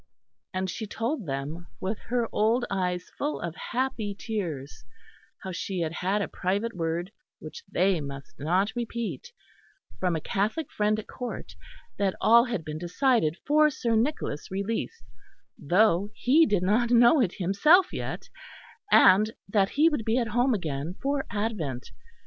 And she told them, with her old eyes full of happy tears, how she had had a private word, which they must not repeat, from a Catholic friend at Court, that all had been decided for Sir Nicholas' release, though he did not know it himself yet, and that he would be at home again for Advent.